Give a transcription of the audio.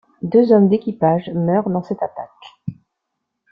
Deux hommes d'équipage meurent dans cette attaque.